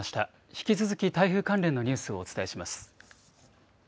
引き続き台風関連のニュースをお伝えします。